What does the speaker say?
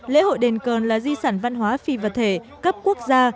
lễ hội đền cờ là di sản văn hóa phi vật thể cấp quốc gia